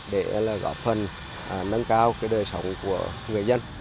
để góp phần nâng cao đời sống của người dân